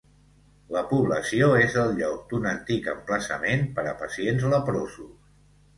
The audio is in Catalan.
La població és el lloc d'un antic emplaçament per a pacients leprosos.